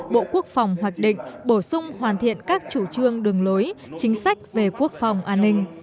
bộ quốc phòng hoạch định bổ sung hoàn thiện các chủ trương đường lối chính sách về quốc phòng an ninh